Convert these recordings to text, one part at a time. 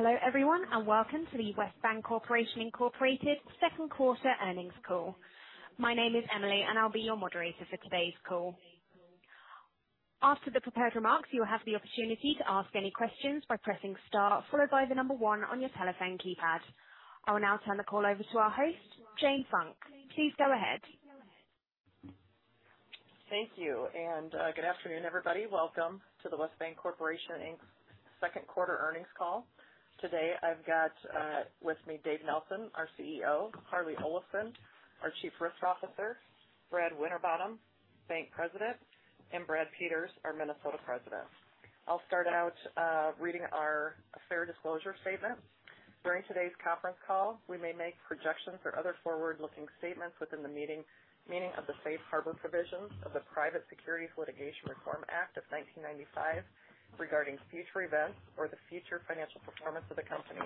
Hello, everyone, and welcome to the West Bancorporation Incorporated Q2 earnings call. My name is Emily, and I'll be your moderator for today's call. After the prepared remarks, you will have the opportunity to ask any questions by pressing star followed by the 1 on your telephone keypad. I will now turn the call over to our host, Jane Funk. Please go ahead. Thank you, and good afternoon, everybody. Welcome to the West Bancorporation Inc.'s Q2 earnings call. Today, I've got with me Dave Nelson, our CEO, Harlee Olafson, our Chief Risk Officer, Brad Winterbottom, Bank President, and Brad Peters, our Minnesota President. I'll start out reading our fair disclosure statement. During today's conference call, we may make projections or other forward-looking statements within the meaning of the Safe Harbour provisions of the Private Securities Litigation Reform Act of 1995 regarding future events or the future financial performance of the company.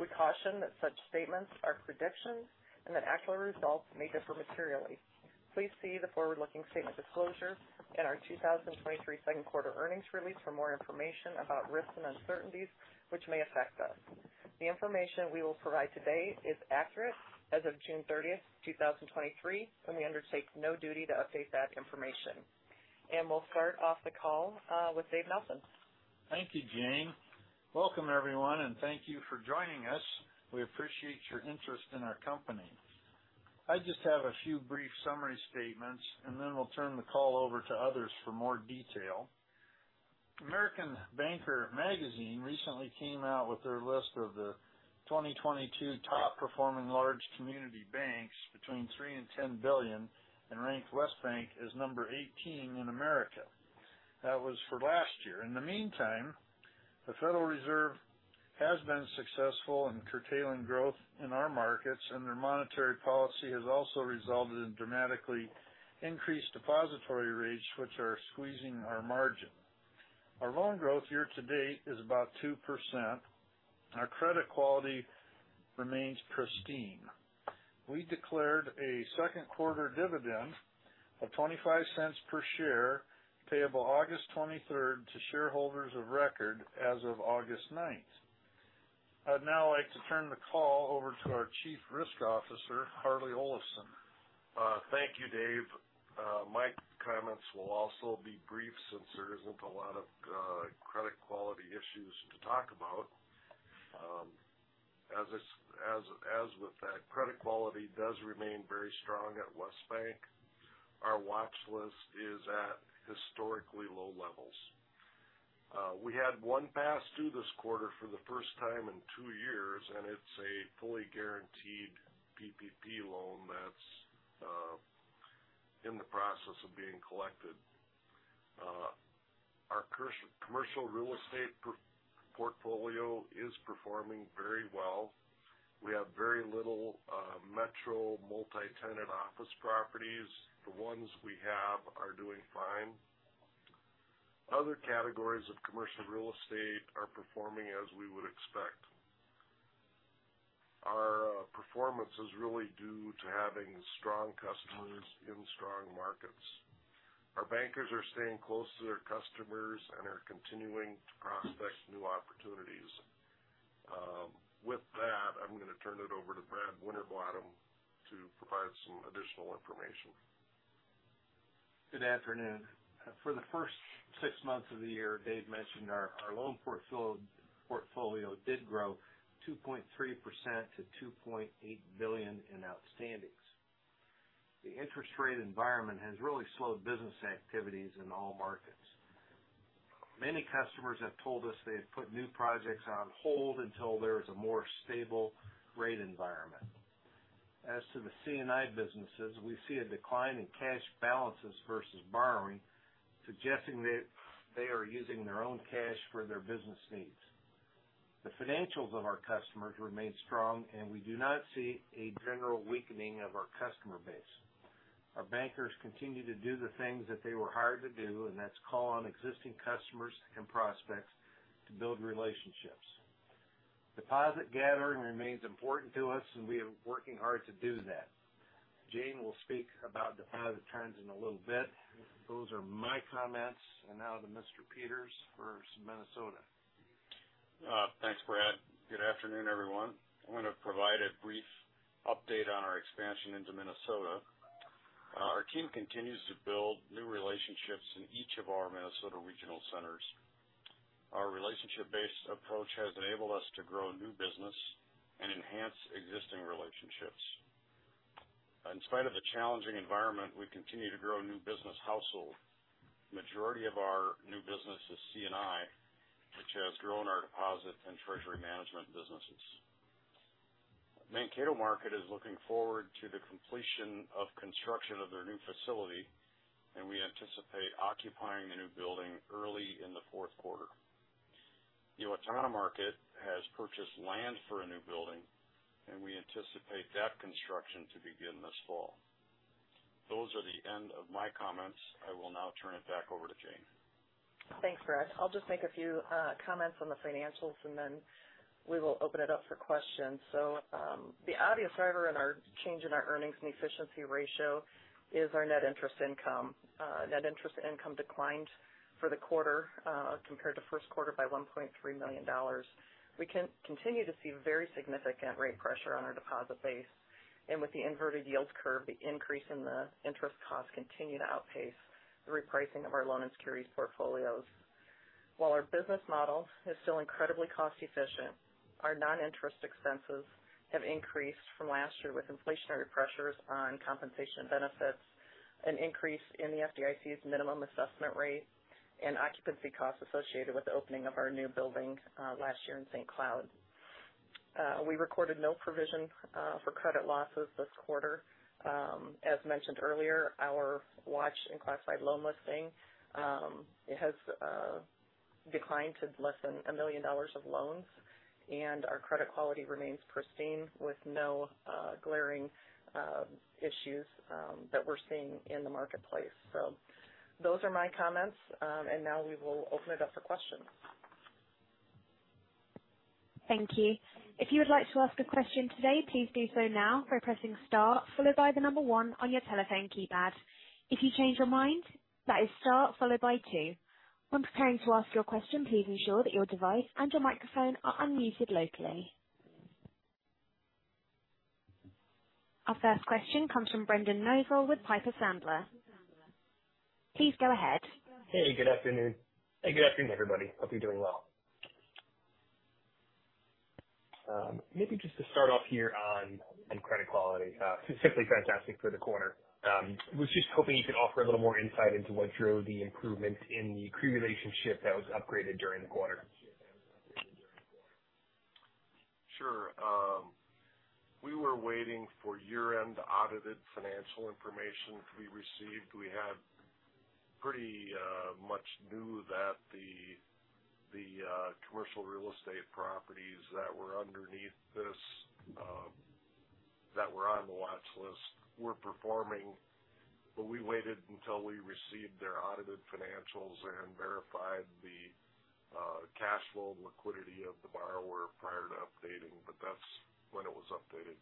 We caution that such statements are predictions and that actual results may differ materially. Please see the forward-looking statement disclosure in our 2023 Q2 earnings release for more information about risks and uncertainties which may affect us. The information we will provide today is accurate as of June 13, 2023, and we undertake no duty to update that information. We'll start off the call, with Dave Nelson. Thank you, Jane. Welcome, everyone, and thank you for joining us. We appreciate your interest in our company. I just have a few brief summary statements, and then we'll turn the call over to others for more detail. American Banker magazine recently came out with their list of the 2022 top performing large community banks between $3 billion and $10 billion and ranked West Bank as number 18 in America. That was for last year. In the meantime, the Federal Reserve has been successful in curtailing growth in our markets, and their monetary policy has also resulted in dramatically increased depository rates, which are squeezing our margin. Our loan growth year to date is about 2%. Our credit quality remains pristine. We declared a Q2 dividend of $0.25 per share, payable August 23rd to shareholders of record as of August 9th. I'd now like to turn the call over to our Chief Risk Officer, Harlee Olafson. Thank you, Dave. My comments will also be brief since there isn't a lot of credit quality issues to talk about. As with that, credit quality does remain very strong at West Bank. Our watch list is at historically low levels. We had gone passed through this quarter for the first time in two years, and it's a fully guaranteed PPP loan that's in the process of being collected. Our commercial real estate portfolio is performing very well. We have very little metro multi-tenant office properties. The ones we have are doing fine. Other categories of commercial real estate are performing as we would expect. Our performance is really due to having strong customers in strong markets. Our bankers are staying close to their customers and are continuing to prospect new opportunities. With that, I'm going to turn it over to Brad Winterbottom to provide some additional information. Good afternoon. For the first 6 months of the year, Dave mentioned our loan portfolio did grow 2.3% to $2.8 billion in out-standings. The interest rate environment has really slowed business activities in all markets. Many customers have told us they've put new projects on hold until there is a more stable rate environment. As to the C&I businesses, we see a decline in cash balances versus borrowing, suggesting that they are using their own cash for their business needs. The financials of our customers remain strong, we do not see a general weakening of our customer base. Our bankers continue to do the things that they were hired to do, that's call on existing customers and prospects to build relationships. Deposit gathering remains important to us, we are working hard to do that. Jane will speak about deposit trends in a little bit. Those are my comments, and now to Mr. Peters for some Minnesota. Thanks, Brad. Good afternoon, everyone. I'm going to provide a brief update on our expansion into Minnesota. Our team continues to build new relationships in each of our Minnesota regional centers. Our relationship-based approach has enabled us to grow new business and enhance existing relationships. In spite of the challenging environment, we continue to grow new business household. Majority of our new business is C&I, which has grown our deposit and treasury management businesses. Mankato market is looking forward to the completion of construction of their new facility, and we anticipate occupying the new building early in the Q4. The Owatonna market has purchased land for a new building, and we anticipate that construction to begin this fall. Those are the end of my comments. I will now turn it back over to Jane. Thanks, Brad. I'll just make a few comments on the financials and then we will open it up for questions. The obvious driver in our change in our earnings and efficiency ratio is our net interest income. Net interest income declined for the quarter, compared to Q1 by $1.3 million. We continue to see very significant rate pressure on our deposit base, and with the inverted yield curve, the increase in the interest costs continue to outpace the repricing of our loan and securities portfolios. While our business model is still incredibly cost efficient, our non-interest expenses have increased from last year with inflationary pressures on compensation benefits, an increase in the FDIC's minimum assessment rate, and occupancy costs associated with the opening of our new building, last year in St. Cloud. We recorded no provision for credit losses this quarter. As mentioned earlier, our watch and classified loan listing, it has declined to less than a million dollars of loans, and our credit quality remains pristine, with no glaring issues that we're seeing in the marketplace. Those are my comments, and now we will open it up for questions. Thank you. If you would like to ask a question today, please do so now by pressing star followed by 1 on your telephone keypad. If you change your mind, that is star followed by 2. When preparing to ask your question, please ensure that your device and your microphone are unmuted locally. Our first question comes from Brendan Nosal with Piper Sandler. Please go ahead. Hey, good afternoon. Hey, good afternoon, everybody. Hope you're doing well. Maybe just to start off here on, on credit quality, specifically fantastic for the quarter. Was just hoping you could offer a little more insight into what drove the improvement in the credit relationship that was upgraded during the quarter? Sure. We were waiting for year-end audited financial information to be received. We had pretty much knew that the commercial real estate properties that were underneath this, that were on the watch list were performing. We waited until we received their audited financials and verified the cash flow and liquidity of the borrower prior to updating. That's when it was updated.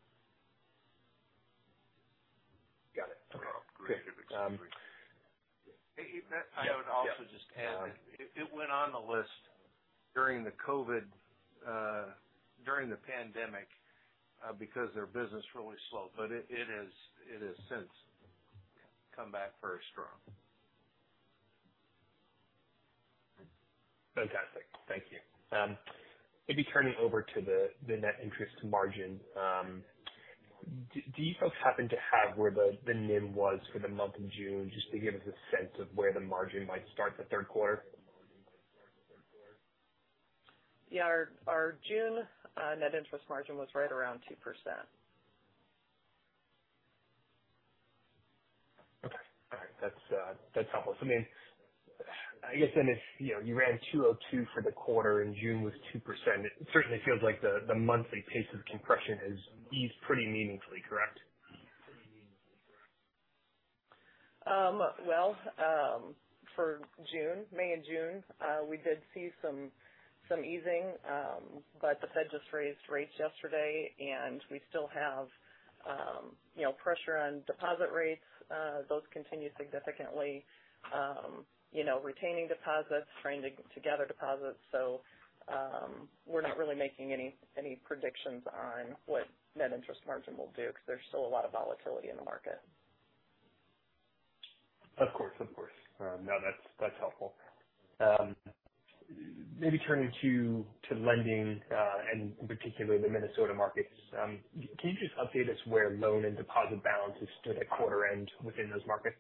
Got it. Okay. Great. Hey, Matt, I would also just add, it went on the list during the COVID, during the pandemic, because their business really slowed, but it has since come back very strong. Fantastic. Thank you. Maybe turning over to the net interest margin, do you folks happen to have where the NIM was for the month of June, just to give us a sense of where the margin might start the Q3? Yeah, our June, net interest margin was right around 2%. Okay. All right. That's, that's helpful. I mean, I guess then, if, you know, you ran 2.02 for the quarter and June was 2%, it certainly feels like the, the monthly pace of compression has eased pretty meaningfully, correct? Well, for June, May and June, we did see some easing, but the Fed just raised rates yesterday, and we still have, you know, pressure on deposit rates. Those continue significantly, you know, retaining deposits, trying to gather deposits. We're not really making any predictions on what net interest margin will do, because there's still a lot of volatility in the market. Of course, of course. No, that's, that's helpful. Maybe turning to, to lending, and particularly the Minnesota markets, can you just update us where loan and deposit balances stood at quarter end within those markets?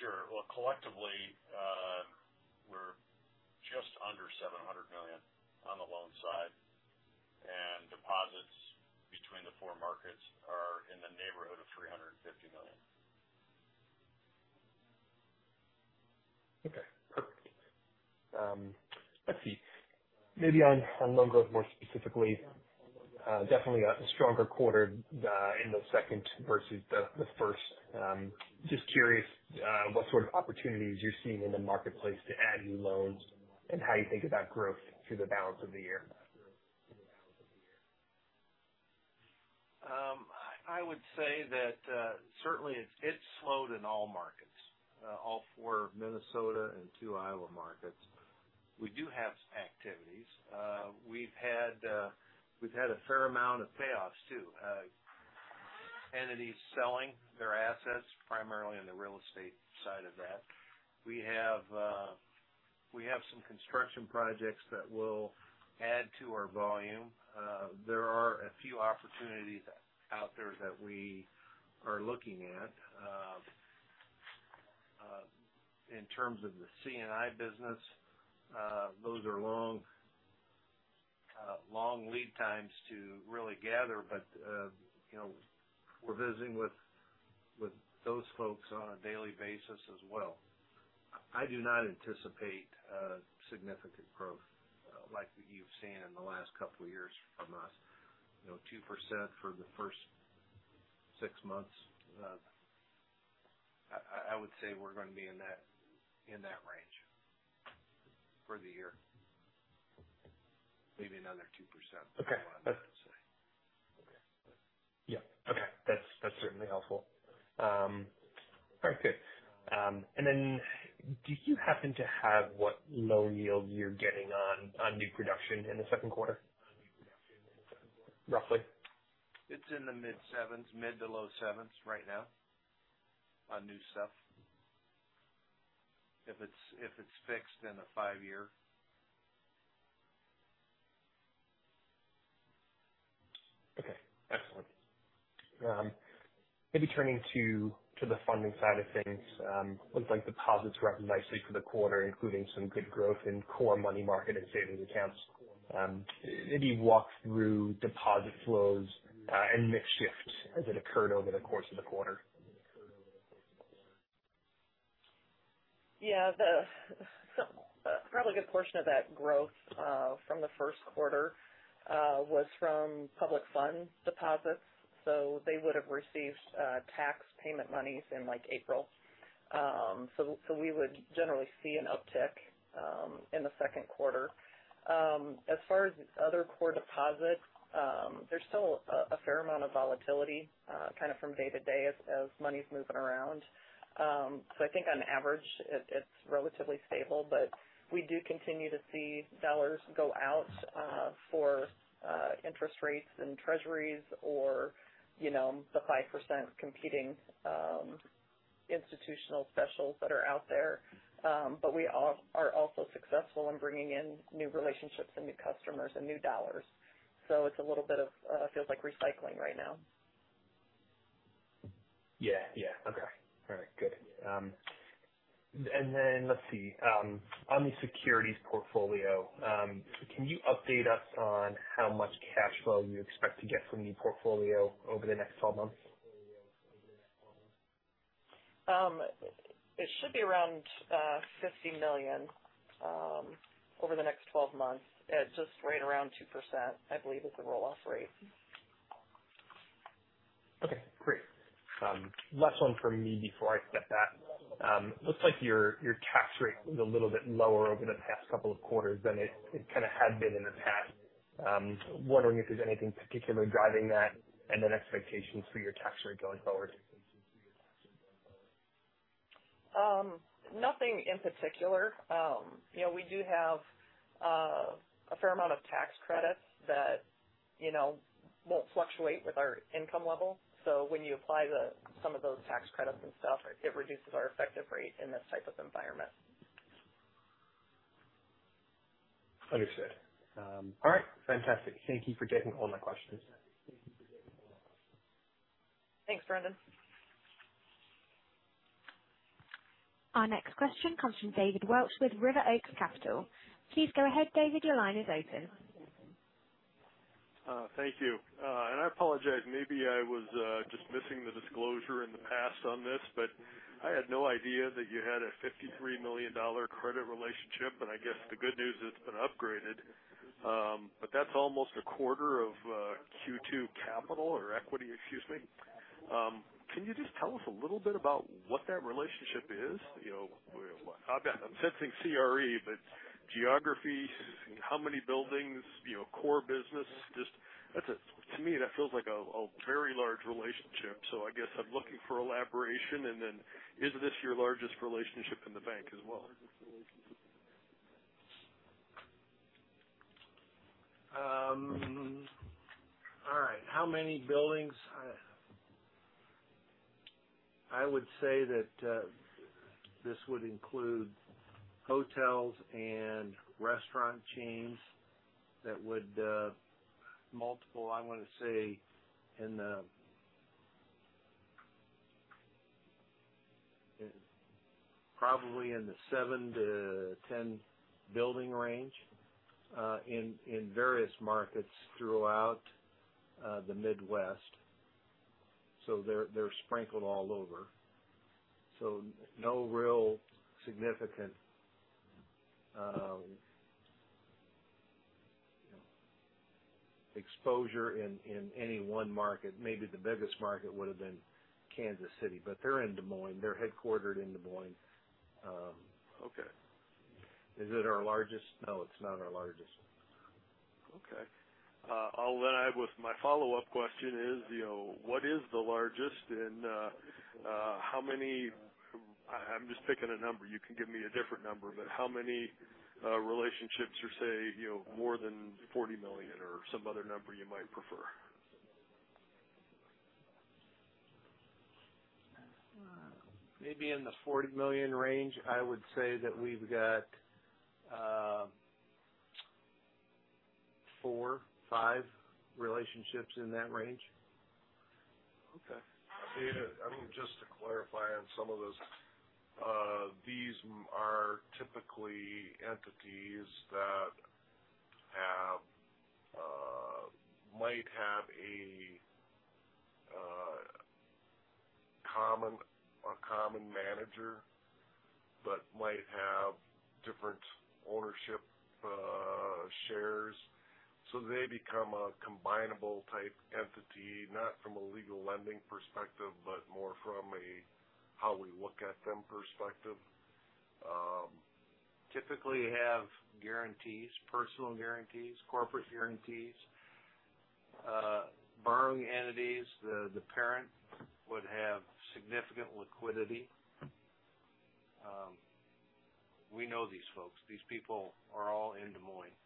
Sure. Collectively, we're just under $700 million on the loan side, and deposits between the four markets are in the neighbourhood of $350 million. Okay, perfect. Let's see. Maybe on loan growth more specifically, definitely a stronger quarter in the second versus the first. Just curious what sort of opportunities you're seeing in the marketplace to add new loans and how you think about growth through the balance of the year? I would say that certainly it, it slowed in all markets, all four Minnesota and two Iowa markets. We do have activities. We've had a fair amount of payoffs, too. Entities selling their assets, primarily in the real estate side of that. We have some construction projects that will add to our volume. There are a few opportunities out there that we are looking at. In terms of the C&I business, those are long lead times to really gather, but, you know, we're visiting with those folks on a daily basis as well. I do not anticipate a significant growth, like what you've seen in the last couple of years from us. You know, 2% for the first six months. I would say we're going to be in that range for the year. Maybe another 2%. Okay. I would say. Yeah. Okay. That's, that's certainly helpful. All right, good. Do you happen to have what low yield you're getting on, on new production in the Q2? Roughly. It's in the mid sevens, mid to low sevens right now on new stuff. If it's, if it's fixed in a 5 year. Okay, excellent. Maybe turning to the funding side of things, looks like deposits were up nicely for the quarter, including some good growth in core money market and savings accounts. Maybe walk through deposit flows and mix shift as it occurred over the course of the quarter. Yeah, the, probably a good portion of that growth from the Q1 was from public fund deposits. We would generally see an uptick in the Q2. As far as other core deposits, there's still a fair amount of volatility, kind of from day to day as money's moving around. I think on average it's relatively stable, but we do continue to see dollars go out for interest rates and treasuries or, you know, the 5% competing institutional specials that are out there. We are also successful in bringing in new relationships and new customers and new dollars. It's a little bit of feels like recycling right now. Yeah. Yeah. Okay. All right, good. Then let's see. On the securities portfolio, can you update us on how much cash flow you expect to get from the portfolio over the next 12 months? It should be around $50 million over the next 12 months. At just right around 2%, I believe, is the roll-off rate. Okay, great. Last one for me before I step back. Looks like your tax rate is a little bit lower over the past couple of quarters than it kind of had been in the past. Wondering if there's anything particularly driving that and then expectations for your tax rate going forward? Nothing in particular. You know, we do have a fair amount of tax credits that, you know, won't fluctuate with our income level. When you apply the, some of those tax credits and stuff, it reduces our effective rate in this type of environment. Understood. All right. Fantastic. Thank you for taking all my questions. Thanks, Brendan. Our next question comes from David Welch with River Oaks Capital. Please go ahead, David, your line is open. Thank you. I apologise, maybe I was just missing the disclosure in the past on this, but I had no idea that you had a $53 million credit relationship, and I guess the good news, it's been upgraded. That's almost a quarter of Q2 capital or equity, excuse me. Can you just tell us a little bit about what that relationship is? You know, I'm sensing CRE, but geography, how many buildings, you know, core business. To me, that feels like a very large relationship. I guess I'm looking for elaboration. Is this your largest relationship in the bank as well? All right. How many buildings? I would say that this would include hotels and restaurant chains that would multiple, I want to say, in the 7-10 building range in various markets throughout the Midwest. They're sprinkled all over. No real significant exposure in any one market. Maybe the biggest market would have been Kansas City, but they're in Des Moines. They're headquartered in Des Moines. Okay. Is it our largest? No, it's not our largest. Okay. My follow-up question is, you know, what is the largest and, how many I'm just picking a number. You can give me a different number, but how many, relationships are, say, you know, more than $40 million or some other number you might prefer? Maybe in the $40 million range. I would say that we've got, four, five relationships in that range. Okay. David, I mean, just to clarify on some of those, these are typically entities that have might have a common manager, but might have different ownership shares. They become a combinable type entity, not from a legal lending perspective, but more from a how we look at them perspective. Typically have guarantees, personal guarantees, corporate guarantees, borrowing entities. The parent would have significant liquidity. We know these folks. These people are all in Des Moines.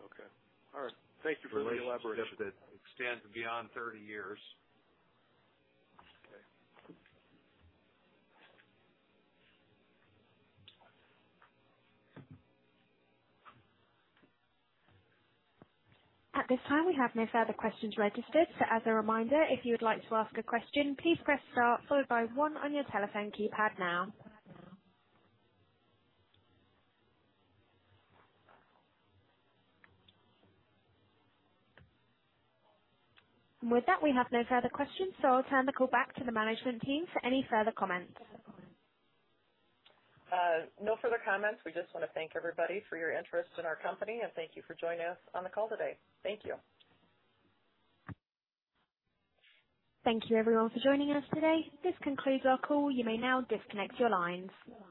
Okay. All right. Thank you for the elaboration. Extends beyond 30 years. Okay. At this time, we have no further questions registered. As a reminder, if you would like to ask a question, please press star followed by one on your telephone keypad now. With that, we have no further questions, so I'll turn the call back to the management team for any further comments. No further comments. We just want to thank everybody for your interest in our company, and thank you for joining us on the call today. Thank you. Thank you everyone for joining us today. This concludes our call. You may now disconnect your lines.